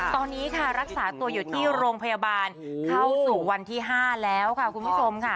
ตอนนี้ค่ะรักษาตัวอยู่ที่โรงพยาบาลเข้าสู่วันที่๕แล้วค่ะคุณผู้ชมค่ะ